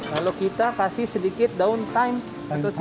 lalu kita kasih sedikit daun thyme atau thyme